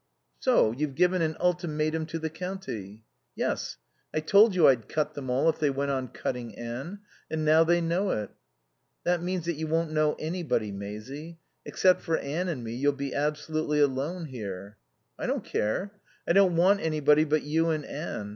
"So you've given an ultimatum to the county." "Yes. I told you I'd cut them all if they went on cutting Anne. And now they know it." "That means that you won't know anybody, Maisie. Except for Anne and me you'll be absolutely alone here." "I don't care. I don't want anybody but you and Anne.